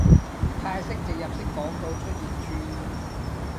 泰式植入式廣告出現注意